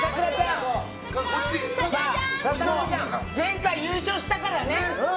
前回、優勝したからね。